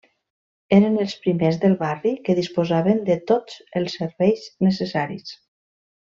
Eren els primers del barri que disposaven de tots els serveis necessaris.